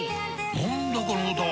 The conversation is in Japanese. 何だこの歌は！